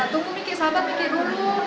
tunggu miki sabat dulu